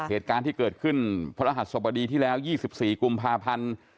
เหตุการณ์ที่เกิดขึ้นพระรหัสสบดีที่แล้ว๒๔กุมภาพันธ์